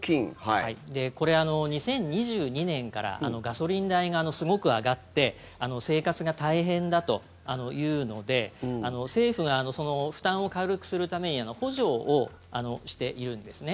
これ、２０２２年からガソリン代がすごく上がって生活が大変だというので政府が負担を軽くするために補助をしているんですね。